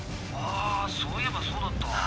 あそういえばそうだった。